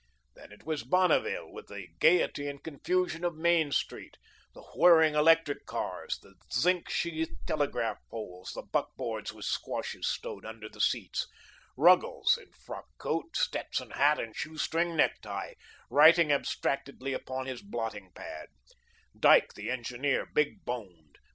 Then it was Bonneville, with the gayety and confusion of Main Street, the whirring electric cars, the zinc sheathed telegraph poles, the buckboards with squashes stowed under the seats; Ruggles in frock coat, Stetson hat and shoe string necktie, writing abstractedly upon his blotting pad; Dyke, the engineer, big boned.